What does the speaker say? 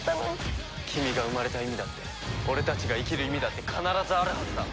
君が生まれた意味だって俺たちが生きる意味だって必ずあるはずだ！